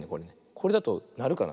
これだとなるかな。